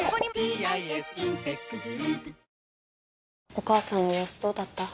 お母さんの様子どうだった？